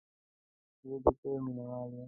زه د چای مینهوال یم.